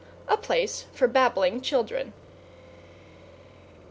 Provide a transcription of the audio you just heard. A place for babbling children.